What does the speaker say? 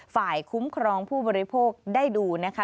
ฝ่ายคุ้มครองผู้บริโภคได้ดูนะคะ